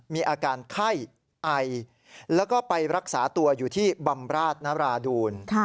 มีอาการไข้ไอแล้วก็ไปรักษาตัวอยู่ที่บำราชนราดูล